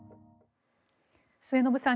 末延さん